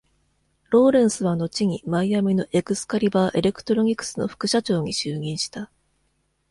ローレンスは後にマイアミのエクスカリバー・エレクトロニクスの副社長に就任した。